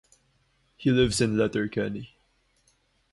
He lives in Letterkenny.